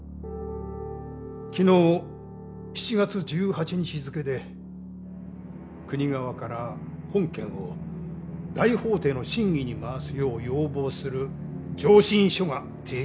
昨日７月１８日付で国側から本件を大法廷の審議に回すよう要望する「上申書」が提出されました。